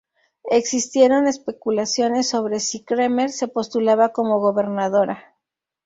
Existieron especulaciones sobre si Cremer se postulaba como gobernadora.